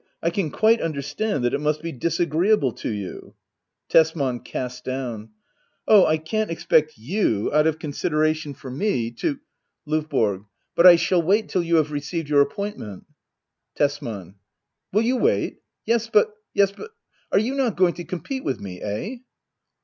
I can quite understand that it must be disagree able to you. Tesman. [Cast down."] Oh, I can't expect you, out of consideration for me, to Digitized by Google ACT II.] HEDDA OABLER. 91 L0VBORO. But I shall wait till you have received your appointment. Tesman. Will you wait ? Yes but — ^yes but — are you not going to compete with me ? £h